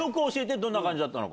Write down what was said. どんな感じだったのか。